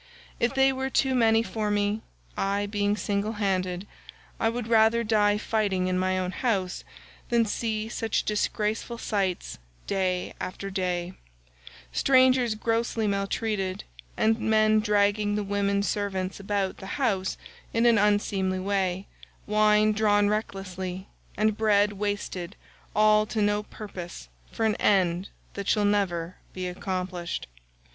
139 If they were too many for me—I being single handed—I would rather die fighting in my own house than see such disgraceful sights day after day, strangers grossly maltreated, and men dragging the women servants about the house in an unseemly way, wine drawn recklessly, and bread wasted all to no purpose for an end that shall never be accomplished."